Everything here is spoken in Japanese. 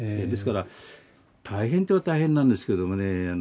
ですから大変って言えば大変なんですけどもね